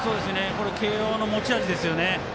慶応の持ち味ですよね。